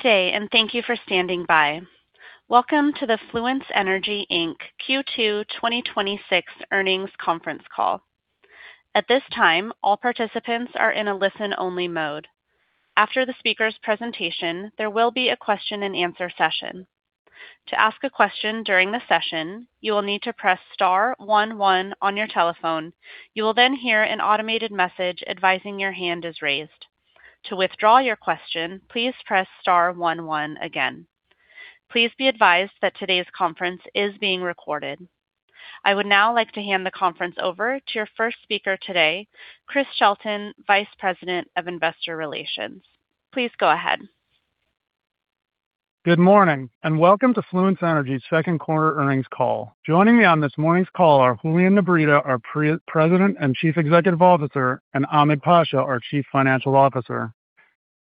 Today, thank you for standing by. Welcome to the Fluence Energy Inc. Q2 2026 Earnings Conference Call. At this time, all participants are in a listen-only mode. After the speaker's presentation, there will be a question-and-answer session. To ask a question during the session, you will need to press star one one on your telephone. You will then hear an automated message advising your hand is raised. To withdraw your question, please press star 11 again. Please be advised that today's conference is being recorded. I would now like to hand the conference over to your first speaker today, Chris Shelton Vice President of Investor Relations. Please go ahead. Good morning, welcome to Fluence Energy's second quarter earnings call. Joining me on this morning's call are Julian Nebreda our President and Chief Executive Officer and Ahmed Pasha our Chief Financial Officer.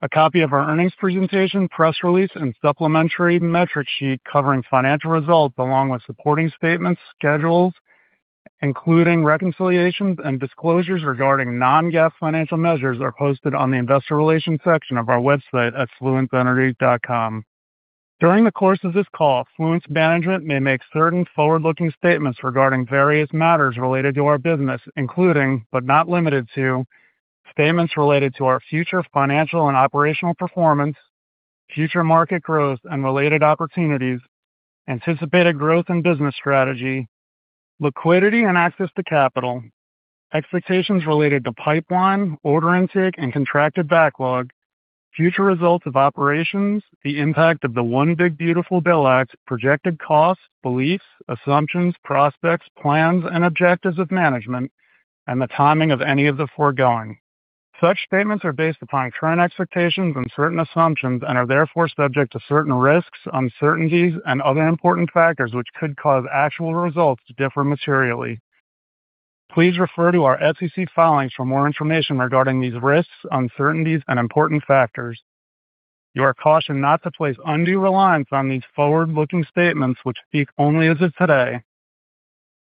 A copy of our earnings presentation, press release, and supplementary metric sheet covering financial results along with supporting statements, schedules, including reconciliations and disclosures regarding non-GAAP financial measures, are posted on the investor relations section of our website at fluenceenergy.com. During the course of this call, Fluence management may make certain forward-looking statements regarding various matters related to our business, including, but not limited to, statements related to our future financial and operational performance, future market growth and related opportunities, anticipated growth and business strategy, liquidity and access to capital, expectations related to pipeline, order intake, and contracted backlog, future results of operations, the impact of the One Big Beautiful Bill Act, projected costs, beliefs, assumptions, prospects, plans and objectives of management, and the timing of any of the foregoing. Such statements are based upon current expectations and certain assumptions and are therefore subject to certain risks, uncertainties, and other important factors which could cause actual results to differ materially. Please refer to our SEC filings for more information regarding these risks, uncertainties and important factors. You are cautioned not to place undue reliance on these forward-looking statements which speak only as of today.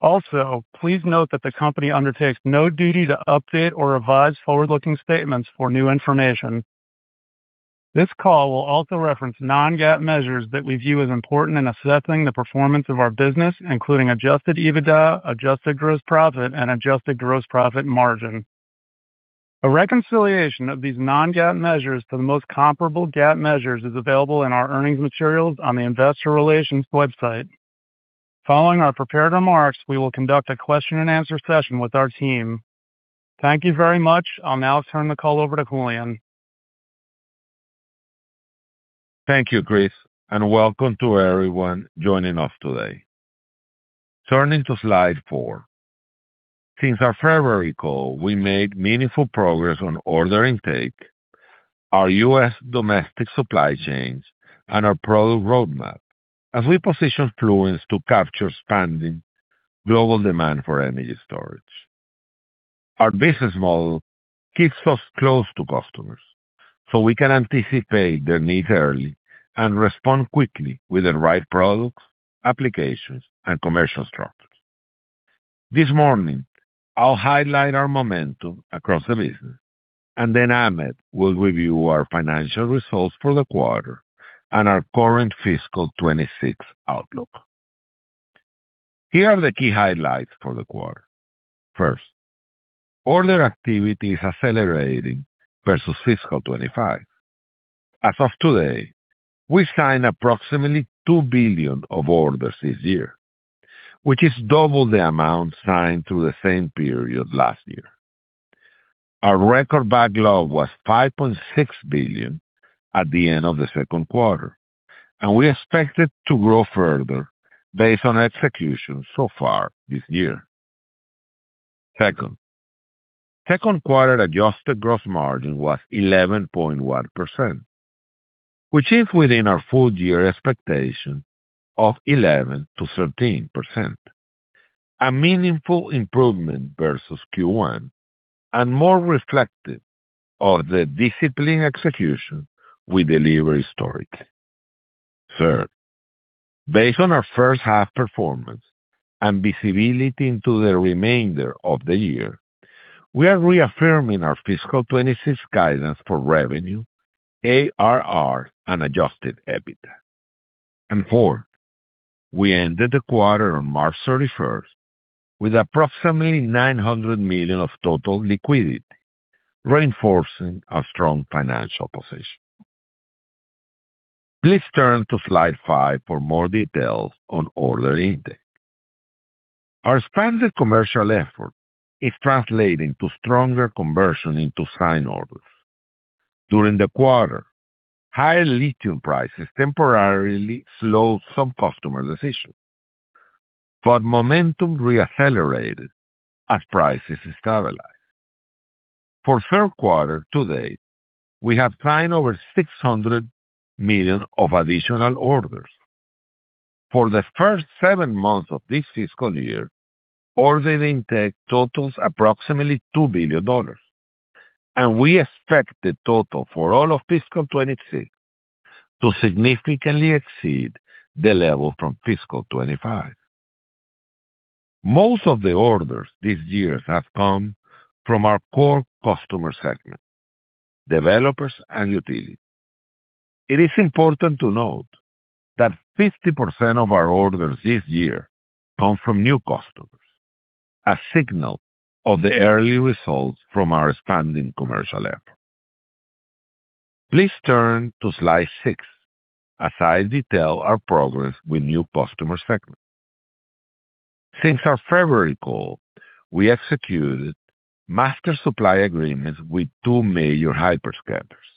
Also, please note that the company undertakes no duty to update or revise forward-looking statements for new information. This call will also reference non-GAAP measures that we view as important in assessing the performance of our business, including adjusted EBITDA, adjusted gross profit and adjusted gross profit margin. A reconciliation of these non-GAAP measures to the most comparable GAAP measures is available in our earnings materials on the investor relations website. Following our prepared remarks, we will conduct a question-and-answer session with our team. Thank you very much. I'll now turn the call over to Julian. Thank you, Chris, and welcome to everyone joining us today. Turning to slide 4. Since our February call, we made meaningful progress on order intake, our U.S. domestic supply chains, and our product roadmap as we position Fluence to capture expanding global demand for energy storage. Our business model keeps us close to customers, so we can anticipate their needs early and respond quickly with the right products, applications, and commercial structures. This morning, I'll highlight our momentum across the business, and then Ahmed will review our financial results for the quarter and our current fiscal 2026 outlook. Here are the key highlights for the quarter. First, order activity is accelerating versus fiscal 2025. As of today, we've signed approximately $2 billion of orders this year, which is double the amount signed through the same period last year. Our record backlog was $5.6 billion at the end of the second quarter. We expect it to grow further based on execution so far this year. Second, second quarter adjusted gross profit margin was 11.1%, which is within our full-year expectation of 11%-13%, a meaningful improvement versus Q1 and more reflective of the disciplined execution we deliver historically. Third, based on our first half performance and visibility into the remainder of the year, we are reaffirming our fiscal 2026 guidance for revenue, ARR, and adjusted EBITDA. Fourth, we ended the quarter on March 31 with approximately $900 million of total liquidity, reinforcing a strong financial position. Please turn to slide 5 for more details on order intake. Our expanded commercial effort is translating to stronger conversion into signed orders. During the quarter, higher lithium prices temporarily slowed some customer decisions, but momentum re-accelerated as prices stabilized. For third quarter to date, we have signed over $600 million of additional orders. For the first seven months of this fiscal year, order intake totals approximately $2 billion, we expect the total for all of fiscal 2026 to significantly exceed the level from fiscal 2025. Most of the orders these years have come from our core customer segment, developers and utilities. It is important to note that 50% of our orders this year come from new customers, a signal of the early results from our expanding commercial effort. Please turn to slide 6 as I detail our progress with new customer segments. Since our February call, we executed master supply agreements with two major hyperscalers.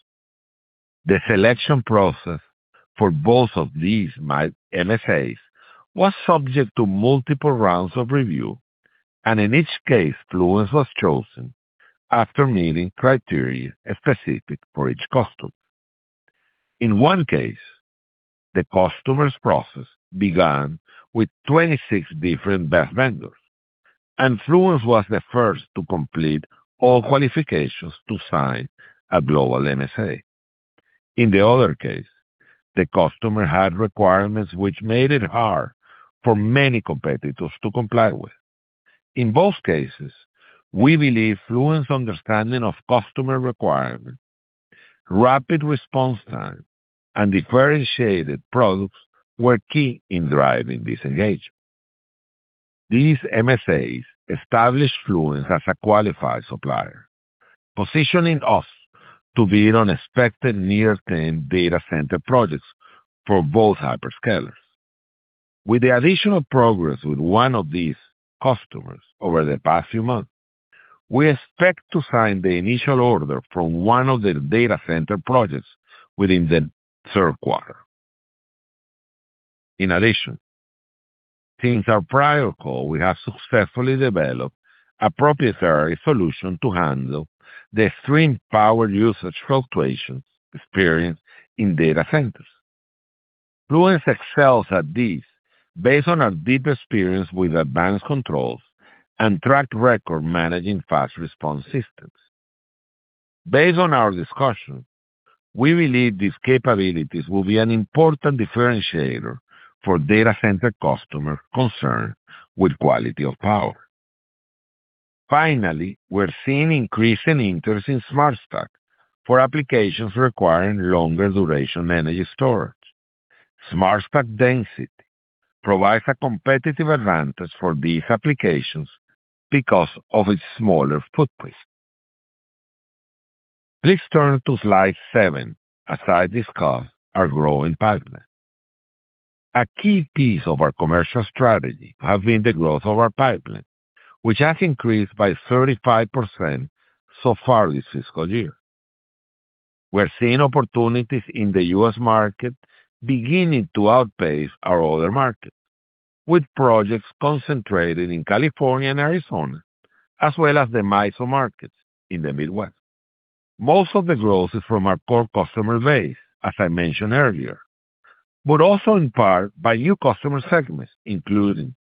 The selection process for both of these MSAs was subject to multiple rounds of review. In each case, Fluence was chosen after meeting criteria specific for each customer. In one case, the customer's process began with 26 different best vendors. Fluence was the first to complete all qualifications to sign a global MSA. In the other case, the customer had requirements which made it hard for many competitors to comply with. In both cases, we believe Fluence's understanding of customer requirements, rapid response time, and differentiated products were key in driving this engagement. These MSAs established Fluence as a qualified supplier, positioning us to bid on expected near-term data center projects for both hyperscalers. With the additional progress with one of these customers over the past few months, we expect to sign the initial order from one of their data center projects within the third quarter. In addition, since our prior call, we have successfully developed a proprietary solution to handle the extreme power usage fluctuations experienced in data centers. Fluence excels at this based on our deep experience with advanced controls and track record managing fast response systems. Based on our discussion, we believe these capabilities will be an important differentiator for data center customers concerned with quality of power. Finally, we're seeing increasing interest in SmartStack for applications requiring longer duration energy storage. SmartStack density provides a competitive advantage for these applications because of its smaller footprint. Please turn to slide seven as I discuss our growing pipeline. A key piece of our commercial strategy has been the growth of our pipeline, which has increased by 35% so far this fiscal year. We're seeing opportunities in the U.S. market beginning to outpace our other markets, with projects concentrated in California and Arizona, as well as the MISO markets in the Midwest. Most of the growth is from our core customer base, as I mentioned earlier, but also in part by new customer segments, including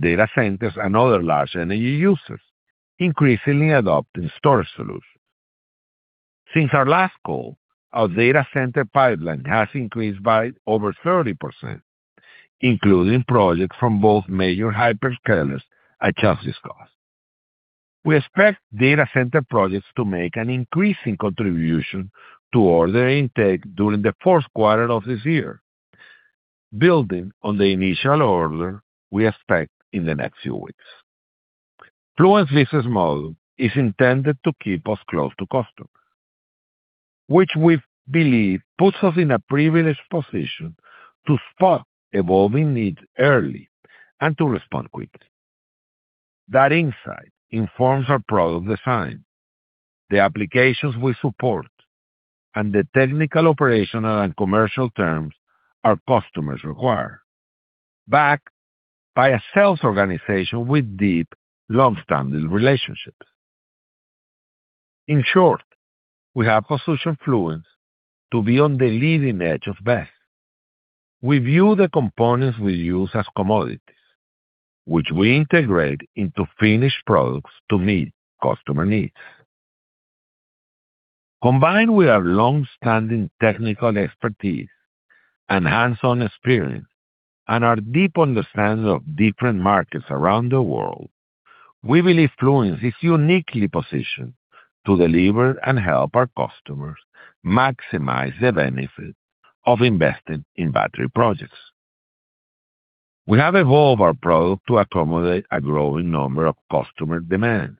data centers and other large energy users, increasingly adopting storage solutions. Since our last call, our data center pipeline has increased by over 30%, including projects from both major hyperscalers I just discussed. We expect data center projects to make an increasing contribution to order intake during the fourth quarter of this year, building on the initial order we expect in the next few weeks. Fluence's business model is intended to keep us close to customers, which we believe puts us in a privileged position to spot evolving needs early and to respond quickly. That insight informs our product design, the applications we support, and the technical, operational, and commercial terms our customers require, backed by a sales organization with deep, long-standing relationships. In short, we have positioned Fluence to be on the leading edge of BESS. We view the components we use as commodities, which we integrate into finished products to meet customer needs. Combined with our long-standing technical expertise and hands-on experience and our deep understanding of different markets around the world, we believe Fluence is uniquely positioned to deliver and help our customers maximize the benefit of investing in battery projects. We have evolved our product to accommodate a growing number of customer demands,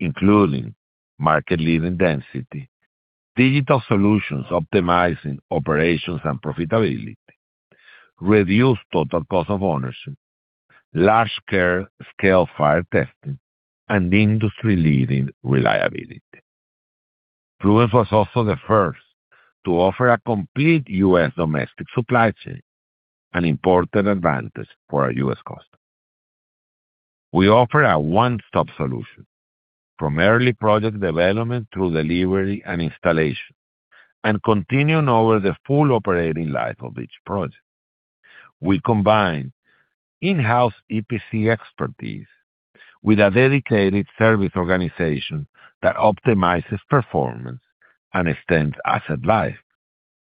including market-leading density, digital solutions optimizing operations and profitability, reduced total cost of ownership, large-scale fire testing, and industry-leading reliability. Fluence was also the first to offer a complete U.S. domestic supply chain, an important advantage for our U.S. customers. We offer a one-stop solution from early project development through delivery and installation, and continuing over the full operating life of each project. We combine in-house EPC expertise, with a dedicated service organization that optimizes performance and extends asset life,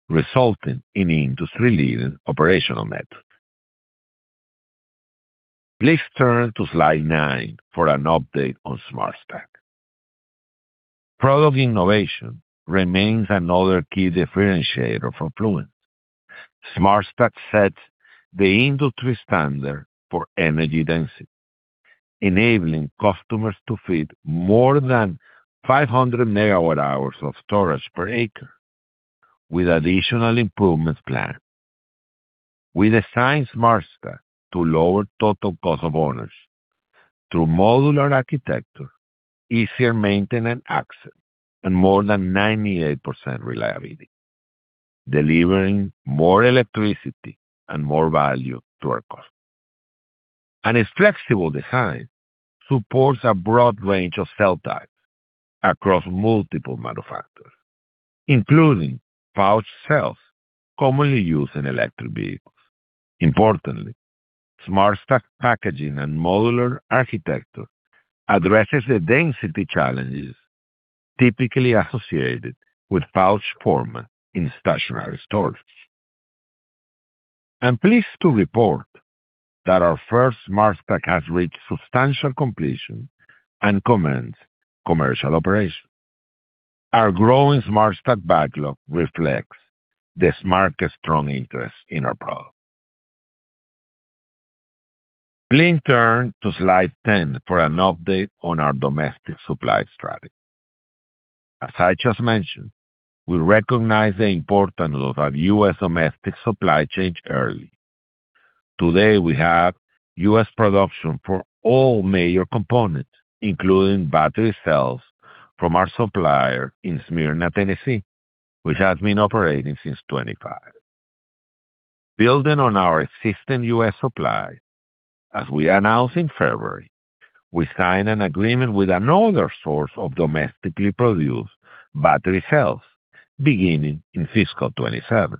resulting in industry-leading operational methods. Please turn to slide nine for an update on SmartStack. Product innovation remains another key differentiator for Fluence. SmartStack sets the industry standard for energy density, enabling customers to fit more than 500 MWh of storage per acre, with additional improvements planned. We designed SmartStack to lower total cost of owners through modular architecture, easier maintenance access, and more than 98% reliability, delivering more electricity and more value to our customers. Its flexible design supports a broad range of cell types across multiple manufacturers, including pouch cells commonly used in electric vehicles. Importantly, SmartStack packaging and modular architecture addresses the density challenges typically associated with pouch format in stationary storage. I'm pleased to report that our first SmartStack has reached substantial completion and commenced commercial operation. Our growing SmartStack backlog reflects the smart, strong interest in our product. Please turn to slide 10 for an update on our domestic supply strategy. As I just mentioned, we recognize the importance of our U.S. domestic supply chain early. Today, we have U.S. production for all major components, including battery cells from our supplier in Smyrna, Tennessee, which has been operating since 2025. Building on our existing U.S. supply, as we announced in February, we signed an agreement with another source of domestically produced battery cells beginning in fiscal 2027.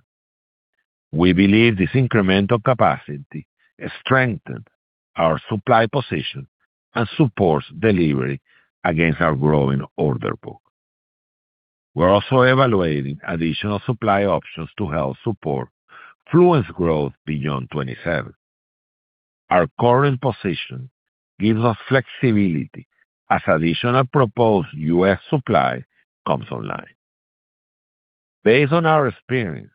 We believe this incremental capacity strengthened our supply position and supports delivery against our growing order book. We're also evaluating additional supply options to help support Fluence growth beyond 2027. Our current position gives us flexibility as additional proposed U.S. supply comes online. Based on our experience,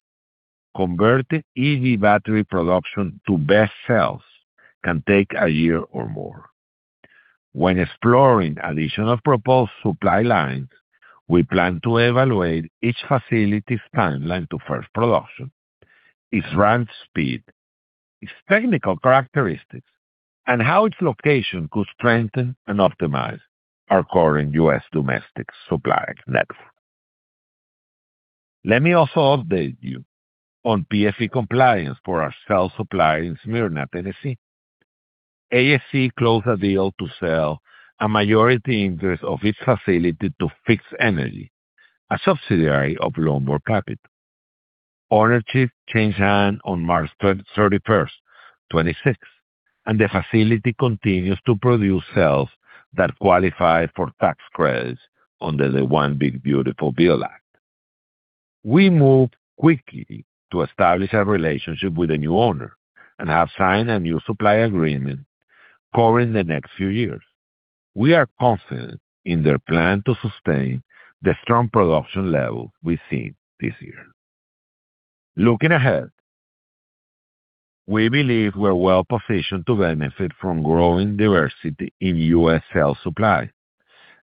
converting EV battery production to BESS cells can take a year or more. When exploring additional proposed supply lines, we plan to evaluate each facility's timeline to first production, its ramp speed, its technical characteristics, and how its location could strengthen and optimize our current U.S. domestic supply network. Let me also update you on FEOC compliance for our cell supply in Smyrna, Tennessee. AESC closed a deal to sell a majority interest of its facility to Fixx Energy, a subsidiary of Longroad Energy. Ownership changed hand on March 31, 2026, and the facility continues to produce cells that qualify for tax credits under the One Big Beautiful Bill Act. We moved quickly to establish a relationship with a new owner and have signed a new supply agreement covering the next few years. We are confident in their plan to sustain the strong production level we've seen this year. Looking ahead, we believe we're well-positioned to benefit from growing diversity in U.S. cell supply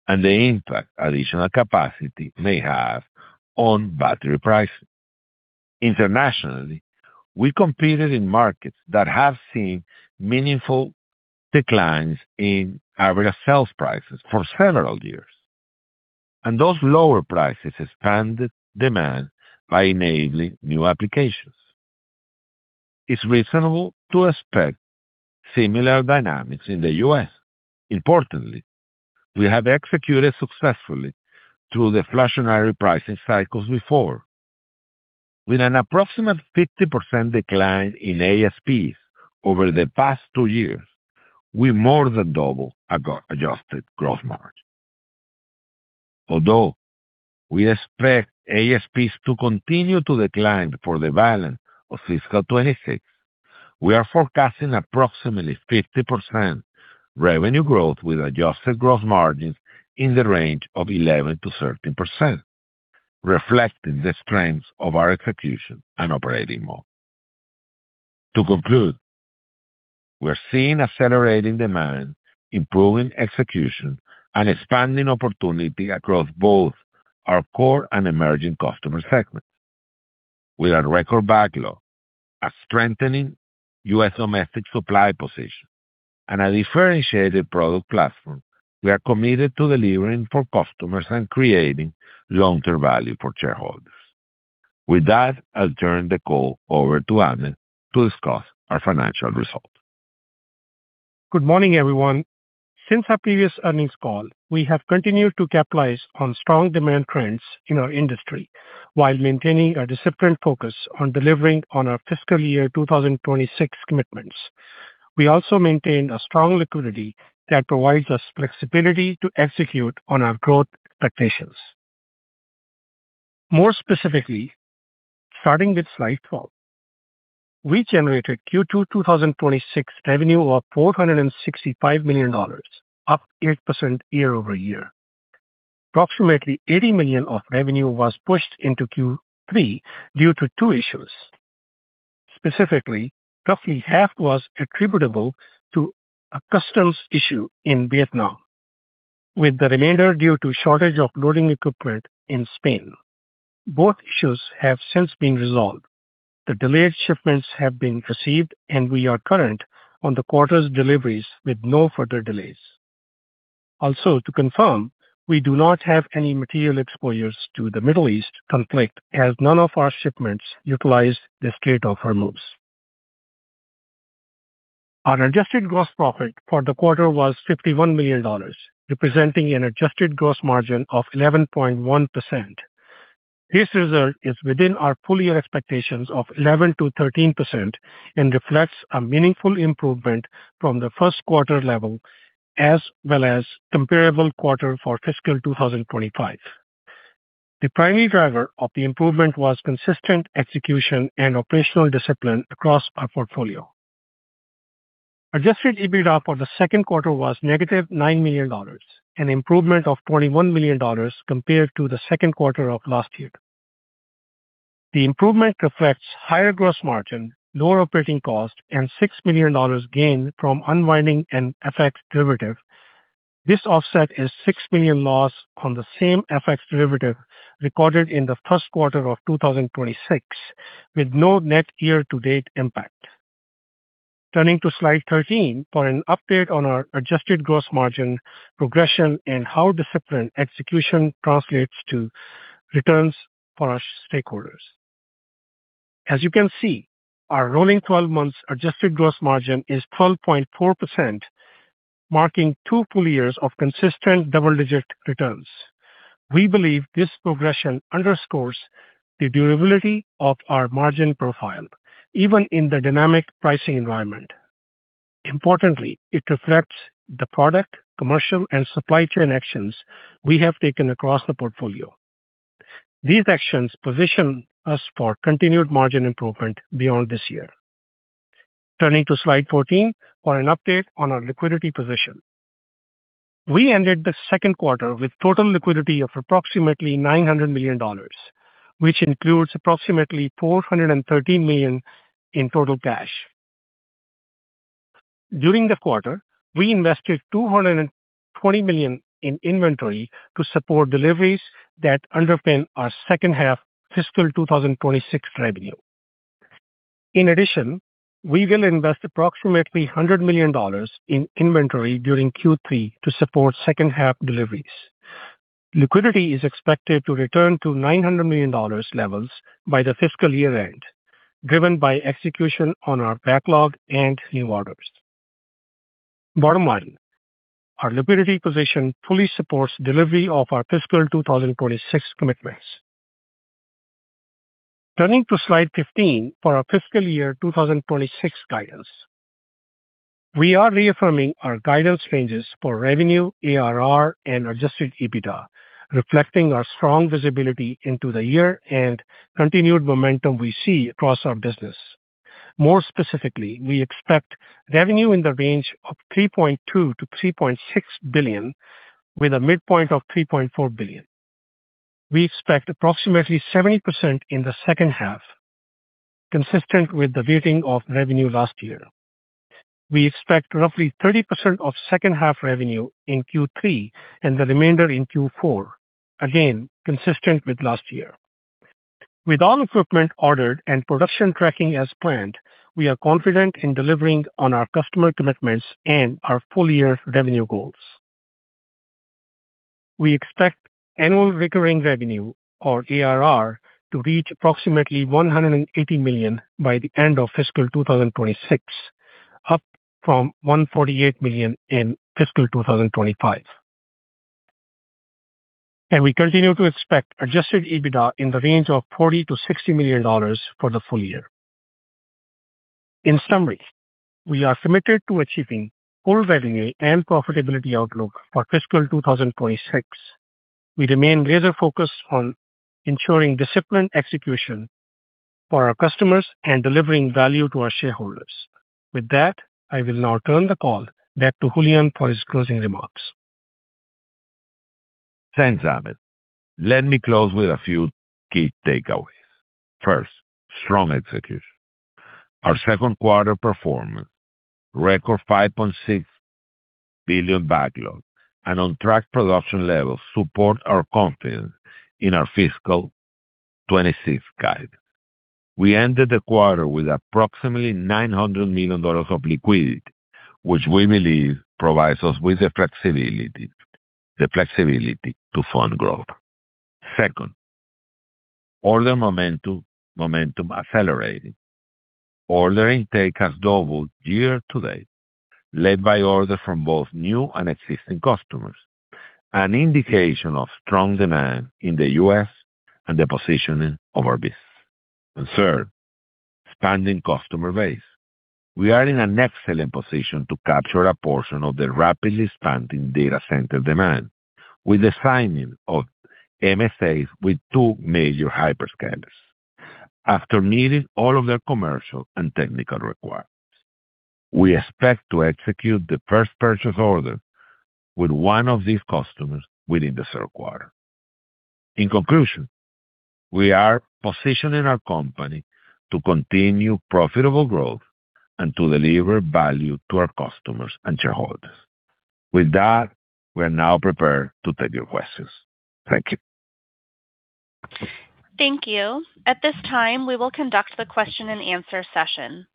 and the impact additional capacity may have on battery pricing. Internationally, we competed in markets that have seen meaningful declines in average sales prices for several years, and those lower prices expanded demand by enabling new applications. It's reasonable to expect similar dynamics in the U.S. Importantly, we have executed successfully through the inflationary pricing cycles before. With an approximate 50% decline in ASPs over the past two years, we more than double our adjusted gross margin. Although we expect ASPs to continue to decline for the balance of fiscal 2026, we are forecasting approximately 50% revenue growth with adjusted gross margins in the range of 11%-13%, reflecting the strength of our execution and operating model. To conclude, we're seeing accelerating demand, improving execution, and expanding opportunity across both our core and emerging customer segments. With a record backlog, a strengthening U.S. domestic supply position, and a differentiated product platform, we are committed to delivering for customers and creating long-term value for shareholders. With that, I'll turn the call over to Ahmed to discuss our financial results. Good morning, everyone. Since our previous earnings call, we have continued to capitalize on strong demand trends in our industry while maintaining a disciplined focus on delivering on our fiscal year 2026 commitments. We also maintained a strong liquidity that provides us flexibility to execute on our growth expectations. More specifically, starting with slide 12, we generated Q2 2026 revenue of $465 million, up 8% year-over-year. Approximately $80 million of revenue was pushed into Q3 due to two issues. Specifically, roughly half was attributable to a customs issue in Vietnam, with the remainder due to shortage of loading equipment in Spain. Both issues have since been resolved. The delayed shipments have been received. We are current on the quarter's deliveries with no further delays. To confirm, we do not have any material exposures to the Middle East conflict, as none of our shipments utilize the Strait of Hormuz. Our adjusted gross profit for the quarter was $51 million, representing an adjusted gross margin of 11.1%. This result is within our full year expectations of 11%-13% and reflects a meaningful improvement from the first quarter level as well as comparable quarter for FY 2025. The primary driver of the improvement was consistent execution and operational discipline across our portfolio. Adjusted EBITDA for the second quarter was negative $9 million, an improvement of $21 million compared to the second quarter of last year. The improvement reflects higher gross margin, lower operating cost, and $6 million gain from unwinding an FX derivative. This offset is a $6 million loss on the same FX derivative recorded in the first quarter of 2026, with no net year-to-date impact. Turning to slide 13 for an update on our adjusted gross margin progression and how disciplined execution translates to returns for our stakeholders. As you can see, our rolling 12 months adjusted gross margin is 12.4%, marking two full years of consistent double-digit returns. We believe this progression underscores the durability of our margin profile, even in the dynamic pricing environment. Importantly, it reflects the product, commercial, and supply chain actions we have taken across the portfolio. These actions position us for continued margin improvement beyond this year. Turning to slide 14 for an update on our liquidity position. We ended the second quarter with total liquidity of approximately $900 million, which includes approximately $430 million in total cash. During the quarter, we invested $220 million in inventory to support deliveries that underpin our second half fiscal 2026 revenue. We will invest approximately $100 million in inventory during Q3 to support second half deliveries. Liquidity is expected to return to $900 million levels by the fiscal year-end, driven by execution on our backlog and new orders. Bottom line, our liquidity position fully supports delivery of our fiscal 2026 commitments. Turning to slide 15 for our fiscal year 2026 guidance. We are reaffirming our guidance ranges for revenue, ARR, and adjusted EBITDA, reflecting our strong visibility into the year and continued momentum we see across our business. More specifically, we expect revenue in the range of $3.2 billion to $3.6 billion, with a midpoint of $3.4 billion. We expect approximately 70% in the second half, consistent with the weighting of revenue last year. We expect roughly 30% of second half revenue in Q3 and the remainder in Q4, again, consistent with last year. With all equipment ordered and production tracking as planned, we are confident in delivering on our customer commitments and our full year revenue goals. We expect annual recurring revenue, or ARR, to reach approximately $180 million by the end of fiscal 2026, up from $148 million in fiscal 2025. We continue to expect adjusted EBITDA in the range of $40 million to $60 million for the full year. In summary, we are committed to achieving full revenue and profitability outlook for fiscal 2026. We remain laser-focused on ensuring disciplined execution for our customers and delivering value to our shareholders. With that, I will now turn the call back to Julian for his closing remarks. Thanks, Ahmed. Let me close with a few key takeaways. First, strong execution. Our second quarter performance, record $5.6 billion backlog, and on-track production levels support our confidence in our fiscal 2026 guide. We ended the quarter with approximately $900 million of liquidity, which we believe provides us with the flexibility to fund growth. Second, order momentum accelerating. Order intake has doubled year to date, led by orders from both new and existing customers, an indication of strong demand in the U.S. and the positioning of our business. Third, expanding customer base. We are in an excellent position to capture a portion of the rapidly expanding data center demand with the signing of MSAs with two major hyperscalers after meeting all of their commercial and technical requirements. We expect to execute the first purchase order with one of these customers within the third quarter. In conclusion, we are positioning our company to continue profitable growth and to deliver value to our customers and shareholders. With that, we are now prepared to take your questions. Thank you. Thank you. At this time, we will conduct the question and answer session.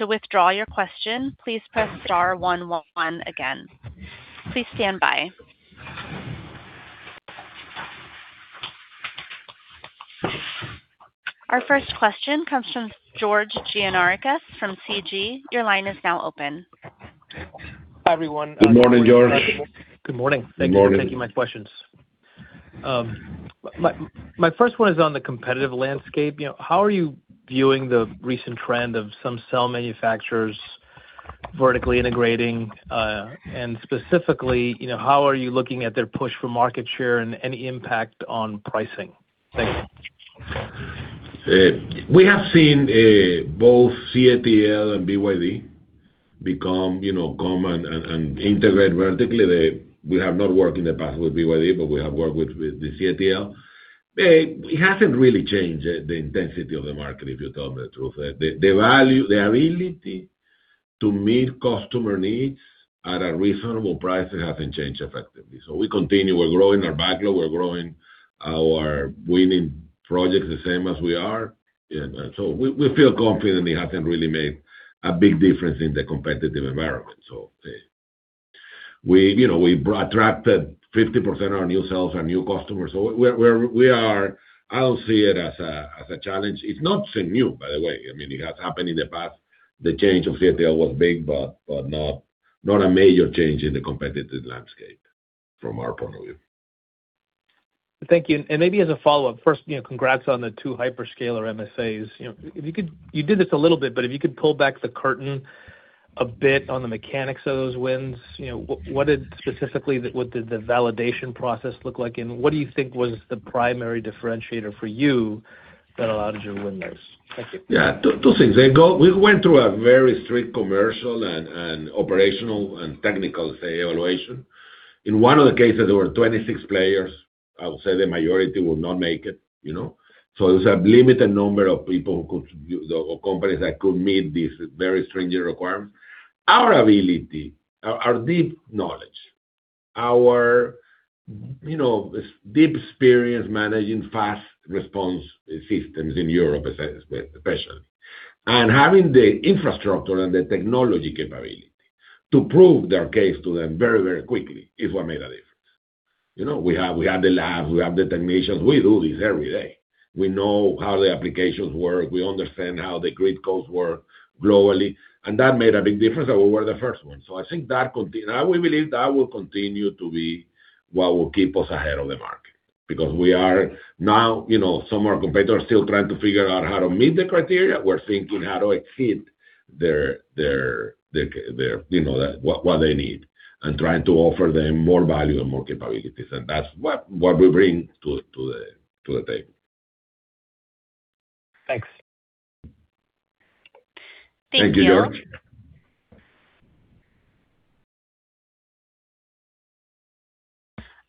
Our first question comes from George Gianarikas from CG. Your line is now open. Hi, everyone. Good morning, George. Good morning. Good morning. Thank you for taking my questions. My first one is on the competitive landscape. You know, how are you viewing the recent trend of some cell manufacturers vertically integrating? Specifically, you know, how are you looking at their push for market share and any impact on pricing? Thanks. We have seen both CATL and BYD become, come and integrate vertically. We have not worked in the past with BYD, but we have worked with CATL. It hasn't really changed the intensity of the market, if you tell the truth. The value, the ability to meet customer needs at a reasonable price hasn't changed effectively. We continue. We're growing our backlog. We're growing our winning projects the same as we are. So we feel confident it hasn't really made a big difference in the competitive environment. We attracted 50% of our new sales are new customers. We are, I don't see it as a challenge. It's not so new, by the way. I mean, it has happened in the past. The change of CATL was big, but not a major change in the competitive landscape from our point of view. Thank you. Maybe as a follow-up, first, you know, congrats on the two hyperscaler MSAs. You know, if you could You did this a little bit, but if you could pull back the curtain a bit on the mechanics of those wins. You know, specifically, what did the validation process look like, and what do you think was the primary differentiator for you that allowed you to win those? Thank you. Yeah. Two things. We went through a very strict commercial and operational and technical say evaluation. In one of the cases, there were 26 players. I will say the majority will not make it, you know. There's a limited number of people who could, or companies that could meet these very stringent requirements. Our ability, our deep knowledge, our, you know, deep experience managing fast response systems in Europe especially, and having the infrastructure and the technology capability to prove their case to them very, very quickly is what made a difference. You know, we have the labs, we have the technicians. We do this every day. We know how the applications work. We understand how the grid codes work globally, and that made a big difference that we were the first ones. We believe that will continue to be what will keep us ahead of the market. We are now, you know, some of our competitors are still trying to figure out how to meet the criteria. We're thinking how to exceed their, you know, what they need and trying to offer them more value and more capabilities, and that's what we bring to the table. Thanks. Thank you. Thank you, George.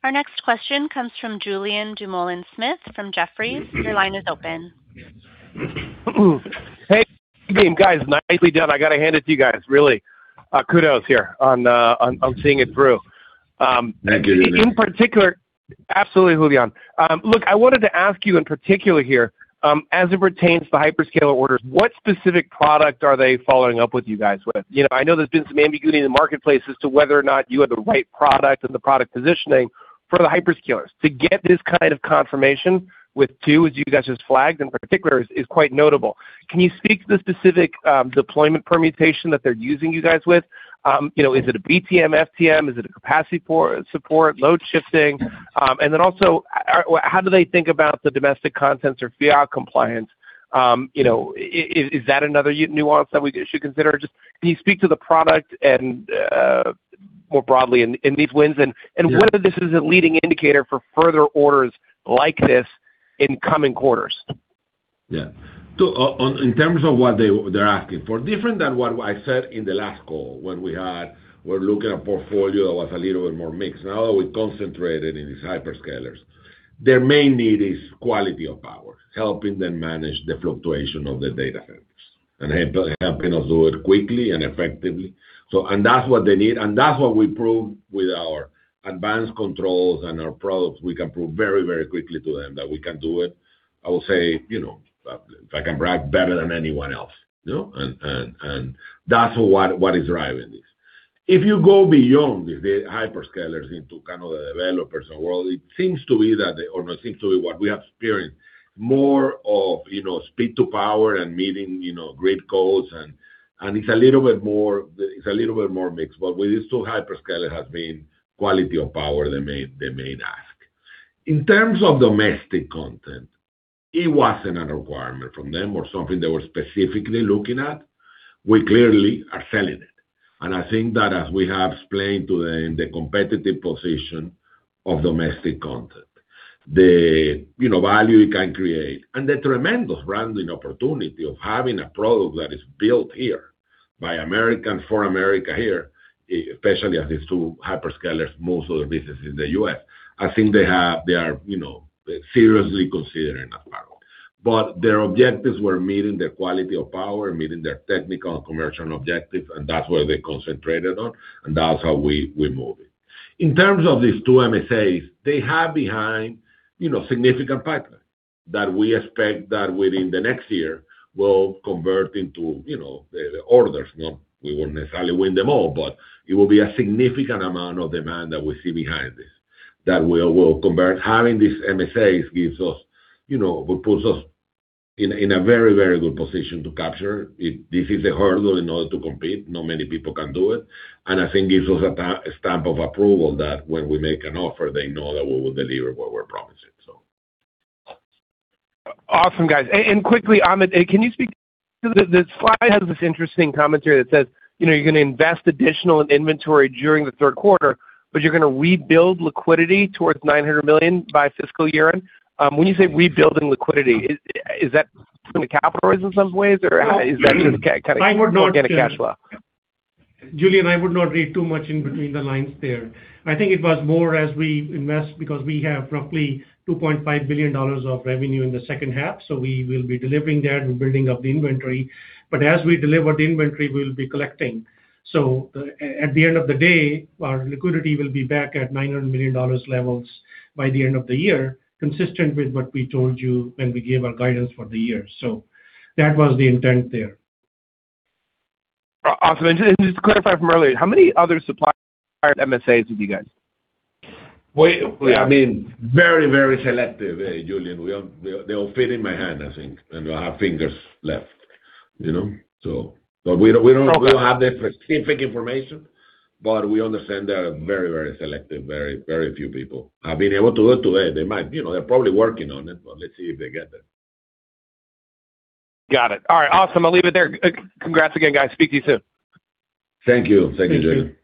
Our next question comes from Julien Dumoulin-Smith from Jefferies. Your line is open. Hey, good evening, guys. Nicely done. I gotta hand it to you guys, really. Kudos here on seeing it through. Thank you. Absolutely, Julian. Look, I wanted to ask you in particular here, as it pertains to hyperscaler orders, what specific product are they following up with you guys with? You know, I know there's been some ambiguity in the marketplace as to whether or not you have the right product and the product positioning for the hyperscalers. To get this kind of confirmation with two, as you guys just flagged in particular, is quite notable. Can you speak to the specific deployment permutation that they're using you guys with? You know, is it a BTM, FTM? Is it a capacity support, load shifting? And then also, how do they think about the domestic contents or FEOC compliance? You know, is that another nuance that we should consider? Just can you speak to the product and more broadly in these wins? Yeah Whether this is a leading indicator for further orders like this in coming quarters. Yeah. So on, in terms of what they're asking for, different than what I said in the last call when we're looking at portfolio that was a little bit more mixed. Now that we concentrated in these hyperscalers, their main need is quality of power, helping them manage the fluctuation of the data centers and helping us do it quickly and effectively. That's what they need, and that's what we prove with our advanced controls and our products. We can prove very quickly to them that we can do it. I will say, you know, if I can brag, better than anyone else, you know? That's what is driving this. If you go beyond the hyperscalers into kind of the developers world, it seems to be that they or not seems to be what we have experienced, more of, you know, speed to power and meeting, you know, grid codes and it's a little bit more mixed, but with these two hyperscaler has been quality of power they may ask. In terms of domestic content, it wasn't a requirement from them or something they were specifically looking at. I think that as we have explained today in the competitive position of domestic content, the, you know, value it can create and the tremendous branding opportunity of having a product that is built here by American, for America here, especially as these two hyperscalers, most of their business is in the U.S. I think they are, you know, seriously considering that part. Their objectives were meeting their quality of power, meeting their technical and commercial objectives, and that's where they concentrated on, and that's how we move it. In terms of these 2 MSAs, they have behind, you know, significant pipeline that we expect that within the next year will convert into, you know, the orders. We won't necessarily win them all, but it will be a significant amount of demand that we see behind this that we will convert. Having these MSAs gives us, you know, will put us in a very good position to capture it. This is a hurdle in order to compete. Not many people can do it, and I think gives us a stamp of approval that when we make an offer, they know that we will deliver what we're promising. Awesome, guys. Quickly, Ahmed, can you speak to the slide has this interesting commentary that says, you know, you're gonna invest additional in inventory during the third quarter, but you're gonna rebuild liquidity towards $900 million by fiscal year-end. When you say rebuilding liquidity, is that from the capital raise in some ways or is that just kind of organic cash flow? Julien, I would not read too much in between the lines there. I think it was more as we invest because we have roughly $2.5 billion of revenue in the second half, we will be delivering that. We're building up the inventory. As we deliver the inventory, we'll be collecting. At the end of the day, our liquidity will be back at $900 million levels by the end of the year, consistent with what we told you when we gave our guidance for the year. That was the intent there. Awesome. Just to clarify from earlier, how many other suppliers are MSAs with you guys? I mean, very, very selective, Julien. We, they all fit in my hand, I think, and I have fingers left, you know. We don't have the specific information, but we understand they are very, very selective. Very, very few people have been able to do it today. They might, you know, they're probably working on it, but let's see if they get there. Got it. All right. Awesome. I'll leave it there. Congrats again, guys. Speak to you soon. Thank you. Thank you, Julien.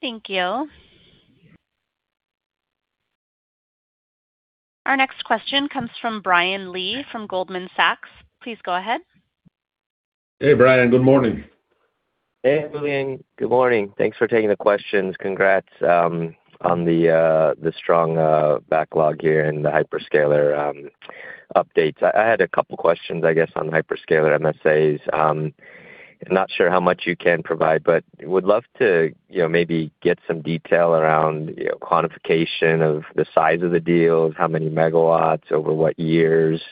Thank you. Thank you. Our next question comes from Brian Lee from Goldman Sachs. Please go ahead. Hey, Brian. Good morning. Hey, Julian, good morning. Thanks for taking the questions. Congrats on the strong backlog here and the hyperscaler updates. I had a couple questions, I guess, on hyperscaler MSAs. Not sure how much you can provide, but would love to, you know, maybe get some detail around, you know, quantification of the size of the deals, how many MW, over what years,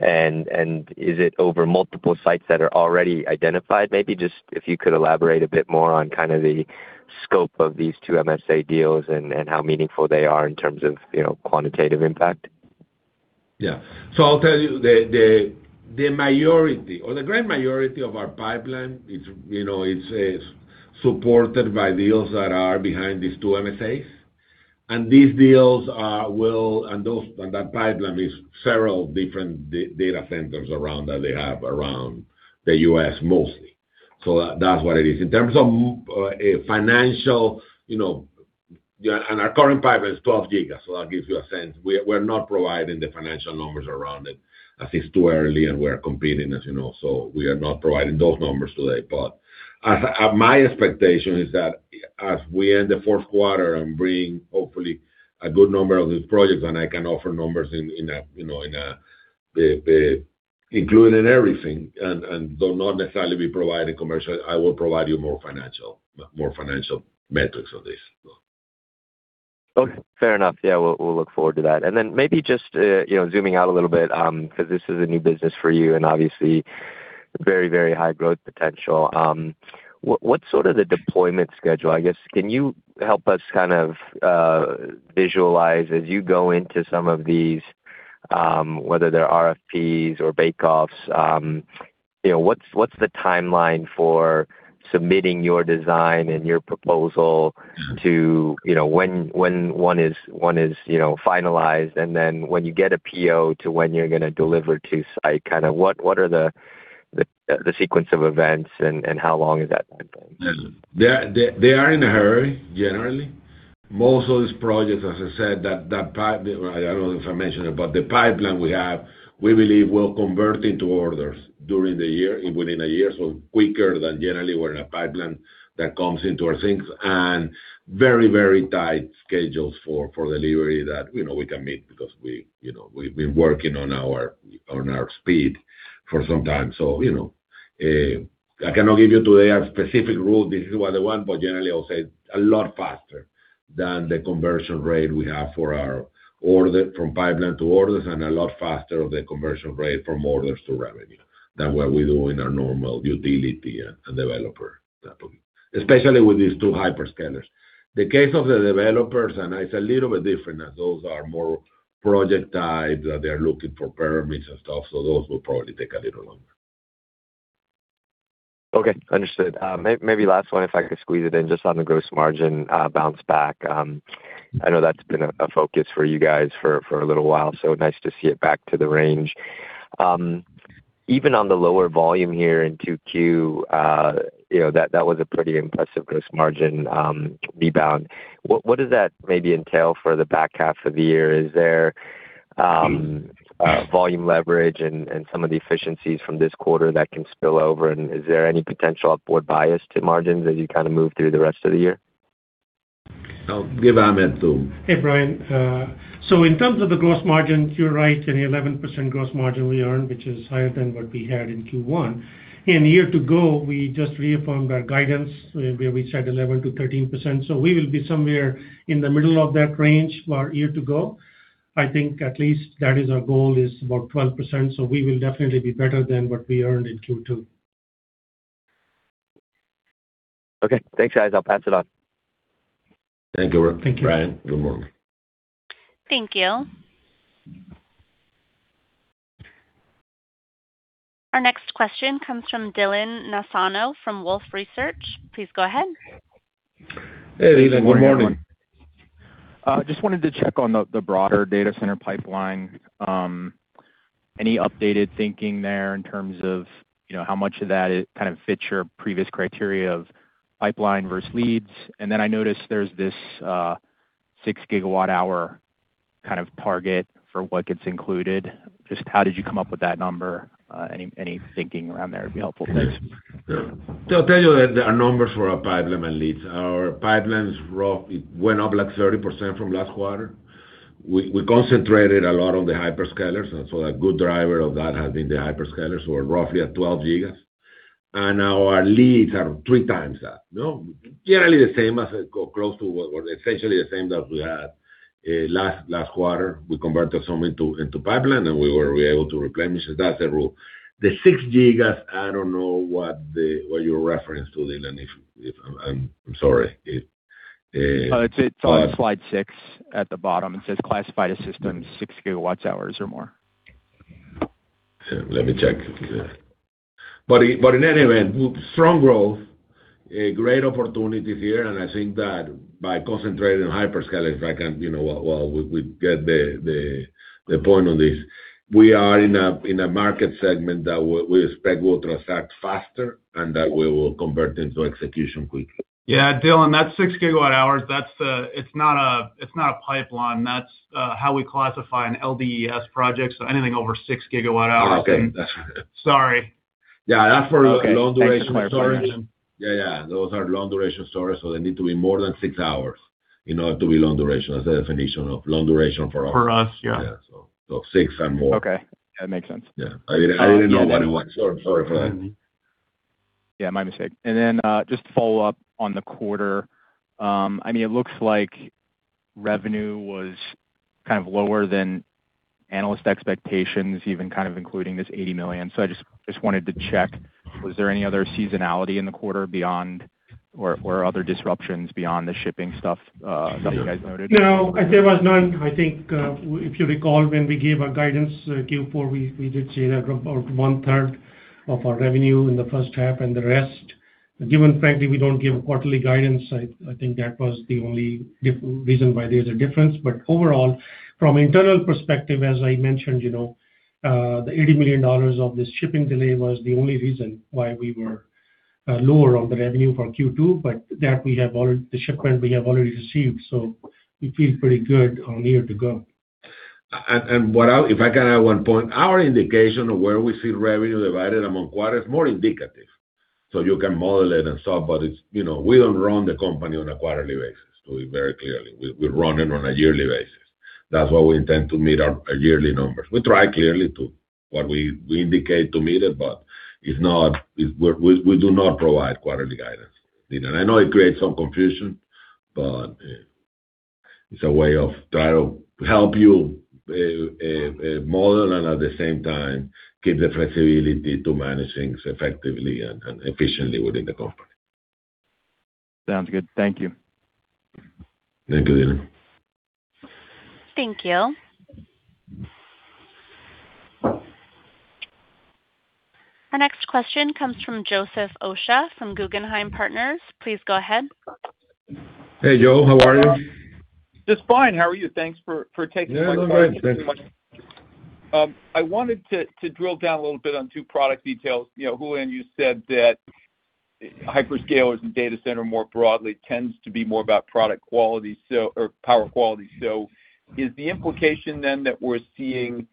and is it over multiple sites that are already identified? Maybe just if you could elaborate a bit more on kind of the scope of these two MSA deals and how meaningful they are in terms of, you know, quantitative impact. Yeah. I'll tell you the majority or the grand majority of our pipeline is, you know, is supported by deals that are behind these two MSAs. These deals are, and that pipeline is several different data centers around that they have around the U.S. mostly. That's what it is. In terms of a financial, you know, and our current pipeline is 12 gigas, so that gives you a sense. We're not providing the financial numbers around it as it's too early, and we're competing, as you know, so we are not providing those numbers today. As my expectation is that as we end the fourth quarter and bring hopefully a good number of these projects, and I can offer numbers in a, you know, including everything and though not necessarily be providing commercial, I will provide you more financial metrics of this. Okay. Fair enough. Yeah, we'll look forward to that. Then maybe just, you know, zooming out a little bit, 'cause this is a new business for you and obviously very high growth potential. What's sort of the deployment schedule, I guess? Can you help us kind of, you know, visualize as you go into some of these, whether they're RFPs or bake offs, you know, what's the timeline for submitting your design and your proposal to, you know, when one is, you know, finalized and then when you get a PO to when you're gonna deliver to site, kind of what are the sequence of events and how long is that timeline? Yeah. They are in a hurry, generally. Most of these projects, as I said, well, I don't know if I mentioned, but the pipeline we have, we believe will convert into orders during the year, within a year, so quicker than generally we're in a pipeline that comes into our things. Very tight schedules for delivery that, you know, we can meet because you know, we've been working on our speed for some time. You know, I cannot give you today a specific rule, this is what I want, but generally, I'll say a lot faster than the conversion rate we have for our order, from pipeline to orders, and a lot faster of the conversion rate from orders to revenue than what we do in our normal utility and developer type of Especially with these two hyperscalers. The case of the developers, it's a little bit different, as those are more project type that they're looking for permits and stuff, those will probably take a little longer. Okay. Understood. Maybe last one, if I could squeeze it in, just on the gross margin bounce back. I know that's been a focus for you guys for a little while, so nice to see it back to the range. Even on the lower volume here in 2Q, you know, that was a pretty impressive gross margin rebound. What does that maybe entail for the back half of the year? Is there? Volume leverage and some of the efficiencies from this quarter that can spill over? Is there any potential upward bias to margins as you kind of move through the rest of the year? I'll give Ahmed to. Hey, Brian. In terms of the gross margin, you're right, an 11% gross margin we earned, which is higher than what we had in Q1. In year to go, we just reaffirmed our guidance where we said 11%-13%. We will be somewhere in the middle of that range for our year to go. I think at least that is our goal is about 12%. We will definitely be better than what we earned in Q2. Okay. Thanks, guys. I'll pass it on. Thank you, Brian. Thank you. Thank you. Our next question comes from Dylan Nassano from Wolfe Research. Please go ahead. Hey, Dylan. Good morning. Hey, how are you doing? Just wanted to check on the broader data center pipeline. Any updated thinking there in terms of, you know, how much of that kind of fits your previous criteria of pipeline versus leads? I noticed there's this, 6 GWh kind of target for what gets included. Just how did you come up with that number? Any, any thinking around there would be helpful. Thanks. Yeah. I'll tell you that our numbers for our pipeline and leads. Our pipeline went up like 30% from last quarter. We concentrated a lot on the hyperscalers, and so a good driver of that has been the hyperscalers, so roughly at 12 gigas. Our leads are three times that, you know. Generally the same as or close to what, or essentially the same that we had last quarter. We converted some into pipeline, and we were able to replenish. That's the rule. The 6 gigas, I don't know what you're reference to, Dylan, if I'm sorry. It's on slide 6 at the bottom. It says, "Classified assistance, 6 GWh or more. Let me check. In any event, strong growth, a great opportunity here, and I think that by concentrating on hyperscalers, if I can, you know, while we get the, the point on this, we are in a, in a market segment that we expect will transact faster and that we will convert into execution quickly. Yeah, Dylan, that 6 GWh, that's, it's not a pipeline. That's how we classify an LDES project, so anything over 6 GWh. Oh, okay. Sorry. Yeah, that's for- Okay long duration storage. Thanks for the clarification. Yeah, yeah. Those are long duration storage, so they need to be more than six hours, you know, to be long duration. That's the definition of long duration for us. For us, yeah. Yeah, six and more. Okay. That makes sense. Yeah. I didn't know what it was. Sorry for that. My mistake. I mean, it looks like revenue was kind of lower than analyst expectations, even kind of including this $80 million. I just wanted to check, was there any other seasonality in the quarter beyond or other disruptions beyond the shipping stuff that you guys noted? No, there was none. I think, if you recall, when we gave our guidance, Q4, we did say that about one-third of our revenue in the first half and the rest. Given, frankly, we don't give quarterly guidance, I think that was the only difference reason why there's a difference. Overall, from internal perspective, as I mentioned, you know, the $80 million of this shipping delay was the only reason why we were lower on the revenue for Q2, but that we have the shipment we have already received, so we feel pretty good on year to go. If I can add one point, our indication of where we see revenue divided among quarters is more indicative. You can model it and solve, but, you know, we don't run the company on a quarterly basis, to be very clear. We run it on a yearly basis. That's why we intend to meet our yearly numbers. We try clearly to what we indicate to meet it, but it's not, we do not provide quarterly guidance, Dylan. I know it creates some confusion, it's a way to try to help you model and at the same time give the flexibility to manage things effectively and efficiently within the company. Sounds good. Thank you. Thank you, Dylan. Thank you. Our next question comes from Joseph Osha from Guggenheim Partners. Please go ahead. Hey, Joe. How are you? Just fine. How are you? Thanks for taking my call. Yeah, I'm all right. Thanks. I wanted to drill down a little bit on two product details. You know, Julian, you said that hyperscalers and data center more broadly tends to be more about product quality or power quality. Is the implication then that we're seeing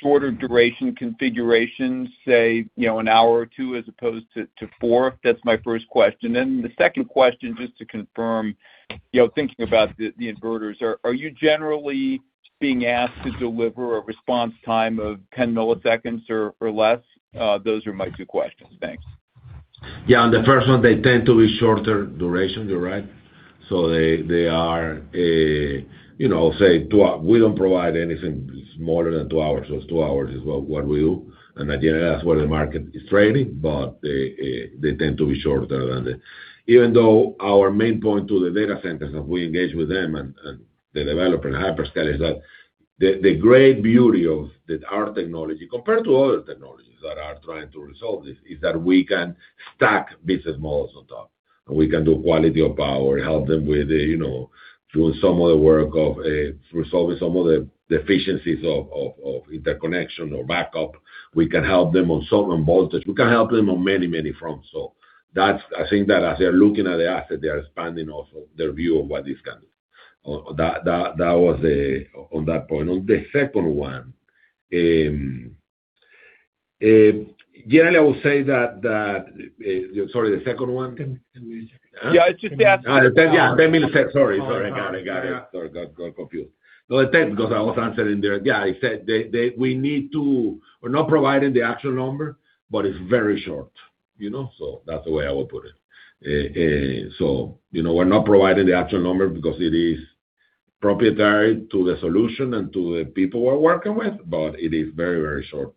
shorter duration configurations, say, you know, an hour or two as opposed to four? That's my first question. The second question, just to confirm, you know, thinking about the inverters, are you generally being asked to deliver a response time of 10 milliseconds or less? Those are my two questions. Thanks. Yeah, on the first one, they tend to be shorter duration, you're right. They are, you know, say we don't provide anything smaller than two hours. two hours is what we do. Ideally, that's where the market is trending, but they tend to be shorter than that. Even though our main point to the data centers, we engage with them and the developer and the hyperscalers, the great beauty of our technology compared to other technologies that are trying to resolve this, is that we can stack business models on top. We can do quality of power, help them with, you know, doing some of the work of resolving some of the deficiencies of interconnection or backup. We can help them on certain voltage. We can help them on many fronts. I think that as they're looking at the asset, they are expanding also their view of what this can do. That was the on that point. On the second one, generally, I would say that, sorry, the second one? Can we check? Yeah, it's just. The 10. Yeah, 10 milliseconds. Sorry. Got it. Sorry, got confused. No, the 10, because I was answering there. I said they we're not providing the actual number, but it's very short, you know? That's the way I would put it. You know, we're not providing the actual number because it is proprietary to the solution and to the people we're working with, but it is very, very short.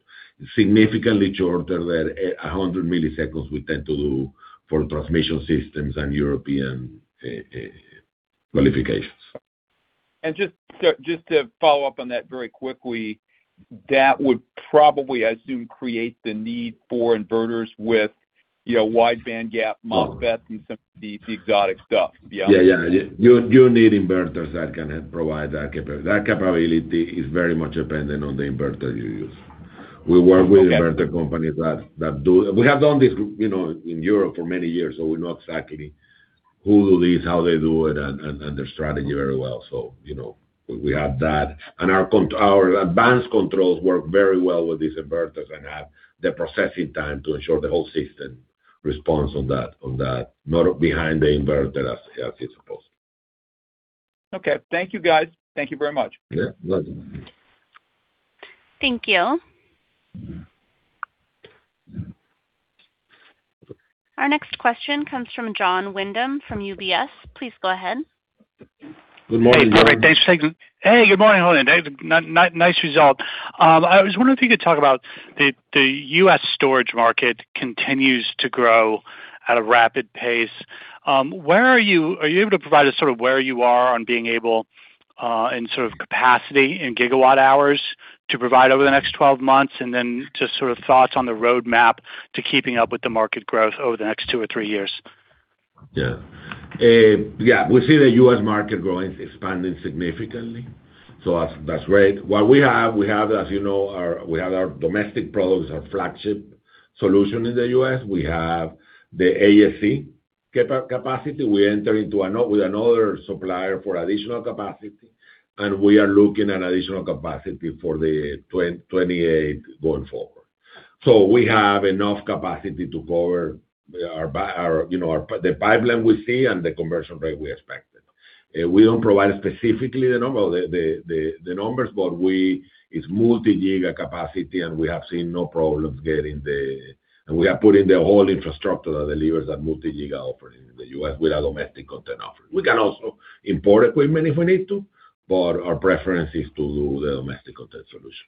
Significantly shorter than 100 milliseconds we tend to do for transmission systems and European qualifications. Just to follow up on that very quickly, that would probably, I assume, create the need for inverters with, you know, wide band gap MOSFETs and some of the exotic stuff. Yeah. Yeah, yeah. You need inverters that can help provide that capability. That capability is very much dependent on the inverter you use. Okay. We work with inverter companies. We have done this, you know, in Europe for many years, we know exactly who do this, how they do it, and their strategy very well. You know, we have that. Our advanced controls work very well with these inverters and have the processing time to ensure the whole system responds on that, not behind the inverter as it's supposed to. Okay. Thank you, guys. Thank you very much. Yeah. Welcome. Thank you. Our next question comes from Jon Windham from UBS. Please go ahead. Good morning, Jon. Good morning. Thanks. Good morning, Julian. David. Nice result. I was wondering if you could talk about the U.S. storage market continues to grow at a rapid pace. Are you able to provide us sort of where you are on being able in sort of capacity in gigawatt hours to provide over the next 12 months? Just sort of thoughts on the roadmap to keeping up with the market growth over the next two or three years. We see the U.S. market growing, expanding significantly, that's great. What we have, as you know, we have our domestic products, our flagship solution in the U.S. We have the AESC capacity. We enter into with another supplier for additional capacity, and we are looking at additional capacity for the 28 going forward. We have enough capacity to cover our, you know, the pipeline we see and the conversion rate we expected. We don't provide specifically the numbers, but it's multi-giga capacity, we have seen no problems. We are putting the whole infrastructure that delivers that multi-giga offering in the U.S. with our domestic content offering. We can also import equipment if we need to, but our preference is to do the domestic content solution.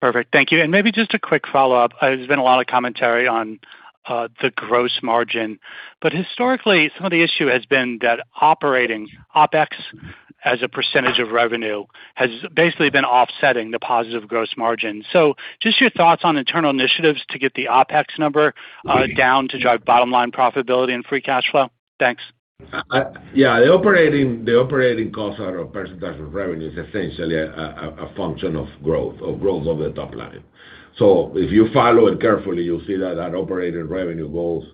Perfect. Thank you. Maybe just a quick follow-up. There's been a lot of commentary on the gross margin. Historically, some of the issue has been that operating, OpEx, as a percentage of revenue has basically been offsetting the positive gross margin. Just your thoughts on internal initiatives to get the OpEx number down to drive bottom line profitability and free cash flow. Thanks. Yeah. The operating costs are a percentage of revenue is essentially a function of growth of the top line. If you follow it carefully, you'll see that operating revenue goals,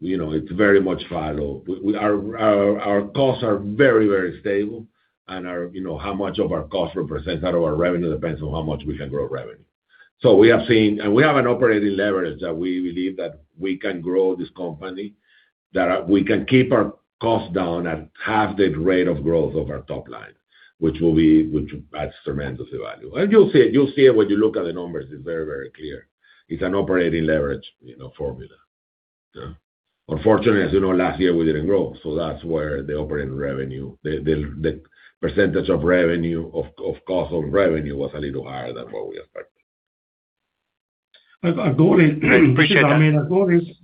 you know, it's very much followed. Our costs are very, very stable, and our, you know, how much of our cost represents out of our revenue depends on how much we can grow revenue. We have an operating leverage that we believe that we can grow this company, that we can keep our costs down at half the rate of growth of our top line, which adds tremendously value. You'll see it when you look at the numbers. It's very, very clear. It's an operating leverage, you know, formula. Yeah. Unfortunately, as you know, last year, we didn't grow. That's where the operating revenue, the percentage of revenue of cost of revenue was a little higher than what we expected. Our goal is. I appreciate that. I mean,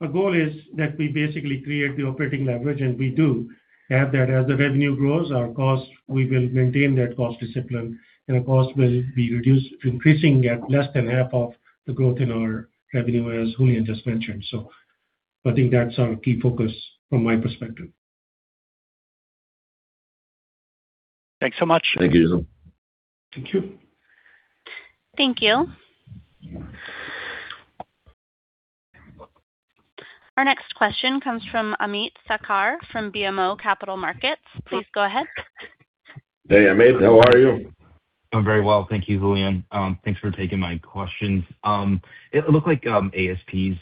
our goal is that we basically create the operating leverage, and we do have that. As the revenue grows, we will maintain that cost discipline, and the cost will be reduced, increasing at less than half of the growth in our revenue, as Julian just mentioned. I think that's our key focus from my perspective. Thanks so much. Thank you. Thank you. Thank you. Our next question comes from Ameet Thakkar from BMO Capital Markets. Please go ahead. Hey, Ameet. How are you? I'm very well, thank you, Julian. Thanks for taking my questions. It looked like ASPs,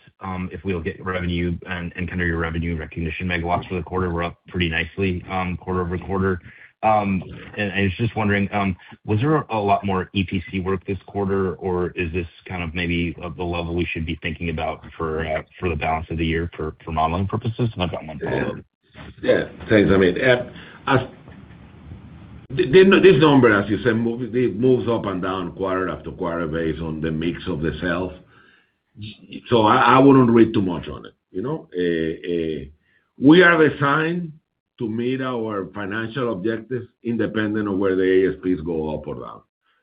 if we'll get revenue and kind of your revenue recognition megawatts for the quarter were up pretty nicely, quarter-over-quarter. I was just wondering, was there a lot more EPC work this quarter, or is this kind of maybe of the level we should be thinking about for the balance of the year for modeling purposes? I've got one follow-up. Yeah. Thanks, Ameet. As this number, as you said, it moves up and down quarter after quarter based on the mix of the sales. So I wouldn't read too much on it, you know? We are assigned to meet our financial objectives independent of where the ASPs go up or down,